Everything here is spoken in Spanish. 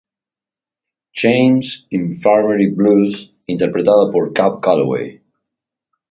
James Infirmary Blues", interpretada por Cab Calloway.